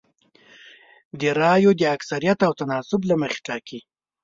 د رایو د اکثریت او تناسب له مخې ټاکنې